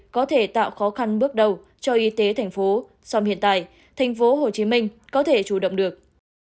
có thể tạo khó khăn bước đầu cho y tế tp hcm so với hiện tại tp hcm có thể chủ động được